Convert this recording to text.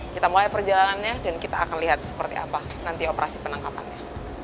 kita mulai perjalanannya dan kita akan lihat seperti apa nanti operasi penangkapannya